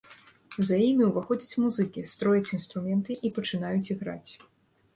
За імі ўваходзяць музыкі, строяць інструменты і пачынаюць іграць.